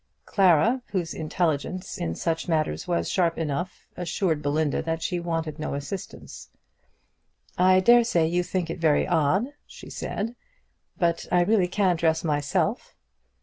Clara, whose intelligence in such matters was sharp enough, assured Belinda that she wanted no assistance. "I dare say you think it very odd," she said, "but I really can dress myself."